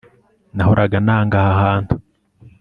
Nahoraga nanga aha hantu